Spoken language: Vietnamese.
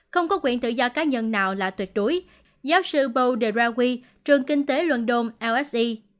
không có quyền tự do cá nhân nào là tuyệt đối giáo sư paul de raoult trường kinh tế london lse